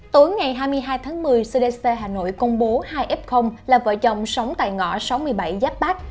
tối ngày hai mươi hai tháng một mươi cdc hà nội công bố hai f là vợ chồng sống tại ngõ sáu mươi bảy giáp bát